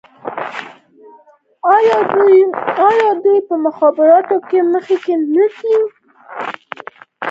آیا دوی په مخابراتو کې مخکې نه دي؟